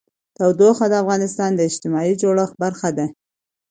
تودوخه د افغانستان د اجتماعي جوړښت برخه ده.